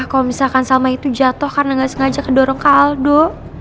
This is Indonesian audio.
kalo misalkan salma itu jatoh karena gak sengaja kedorong kaldo